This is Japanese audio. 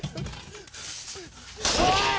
・おい